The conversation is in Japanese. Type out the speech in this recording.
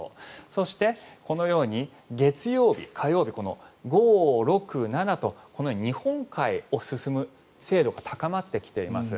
そしてこのように月曜日、火曜日５、６、７とこのように日本海を進む精度が高まってきています。